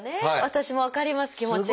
私も分かります気持ちが。